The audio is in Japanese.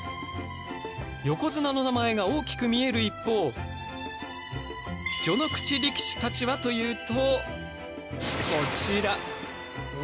横綱の名前が大きく見える一方序ノ口力士たちはというとこちら！